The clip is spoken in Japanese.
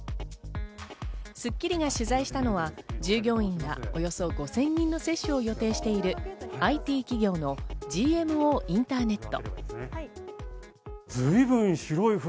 『スッキリ』が取材したのは従業員らおよそ５０００人の接種を予定している、ＩＴ企業のＧＭＯインターネット。